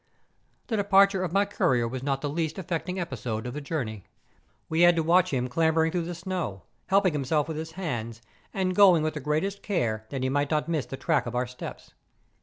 The departure of my courier was not the least affecting episode of the journey. We had to watch him clambering through the snow, helping himself with his hands, and going with the greatest care, that he might not miss the track of our steps.